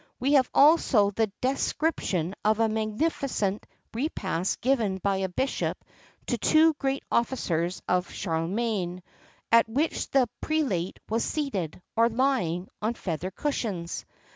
We have also the description of a magnificent repast given by a bishop to two great officers of Charlemagne, at which the prelate was seated, or lying, on feather cushions.